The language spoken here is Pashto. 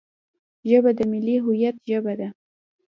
ژبه د ملي هویت ژبه ده